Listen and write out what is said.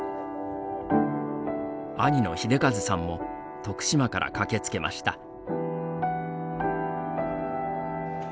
兄の秀和さんも徳島から駆けつけました。